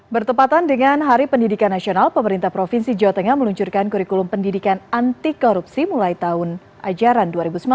bertepatan dengan hari pendidikan nasional pemerintah provinsi jawa tengah meluncurkan kurikulum pendidikan anti korupsi mulai tahun ajaran dua ribu sembilan belas